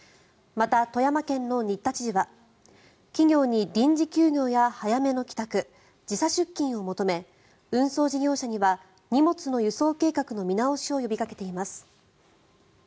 また、富山県の新田知事は企業に臨時休業や早めの帰宅時差出勤を求め運送事業者には荷物の輸送計画の見直しを呼びかけています。